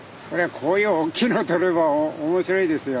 こういうおっきいの取れば面白いですよ。